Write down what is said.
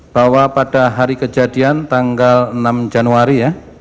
bahwa pada hari kejadian tanggal enam januari ya